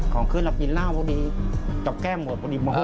ของขึ้นเรากินล่าวพอดีจับแก้มหมดพอดี